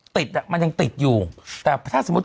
ติดอ่ะมันยังติดอยู่แต่ถ้าสมมุติ